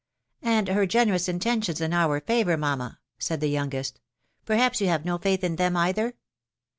" And her generous intentions in our favour, mamma," .... said the youngest, " perhaps you have no faith in them, either